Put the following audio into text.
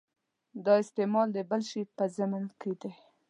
دا استعمال د بل شي په ضمن کې دی.